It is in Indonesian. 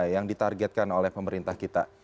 yang ditargetkan oleh pemerintah kita